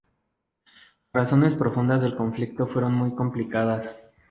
Las razones profundas del conflicto fueron muy complicadas.